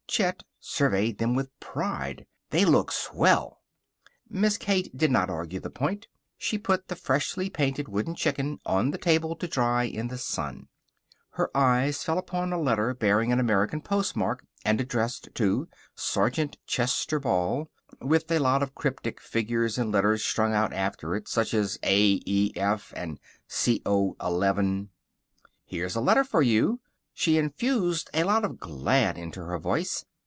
Chet surveyed them with pride. "They look swell." Miss Kate did not argue the point. She put the freshly painted wooden chicken on the table to dry in the sun. Her eyes fell upon a letter bearing an American postmark and addressed to Sergeant Chester Ball, with a lot of cryptic figures and letters strung out after it, such as A.E.F. and Co. 11. "Here's a letter for you!" She infused a lot of Glad into her voice.